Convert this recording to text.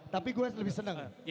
tapi gue lebih senang